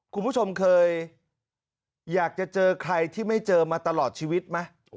คุณผู้ชมเคยอยากจะเจอใครที่ไม่เจอมาตลอดชีวิตไหม